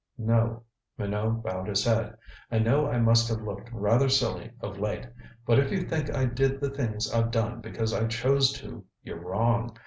"No." Minot bowed his head. "I know I must have looked rather silly of late. But if you think I did the things I've done because I chose to you're wrong.